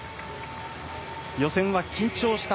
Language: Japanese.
予選は緊張した。